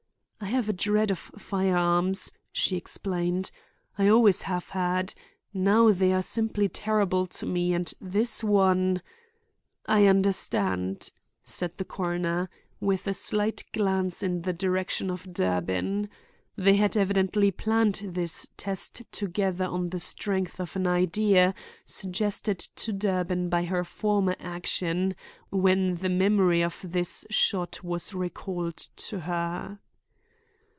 "I have a dread of firearms," she explained. "I always have had. Now they are simply terrible to me, and this one—" "I understand," said the coroner, with a slight glance in the direction of Durbin. They had evidently planned this test together on the strength of an idea suggested to Durbin by her former action when the memory of this shot was recalled to her.